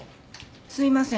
すいません。